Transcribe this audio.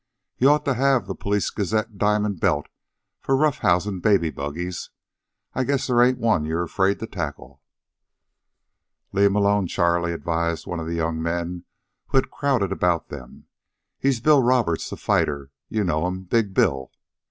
"You ought to have the Police Gazette diamond belt for rough housin' baby buggies'. I guess there ain't a one you're afraid to tackle." "Leave 'm alone, Charley," advised one of the young men who had crowded about them. "He's Bill Roberts, the fighter. You know'm. Big Bill."